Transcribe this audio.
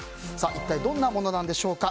一体どんなものなんでしょうか。